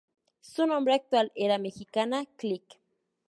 Su nombre actual era Mexicana Click.